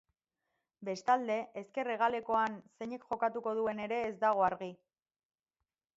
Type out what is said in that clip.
Bestalde, ezker hegalekoan zeinek jokatuko duen ere ez dago argi.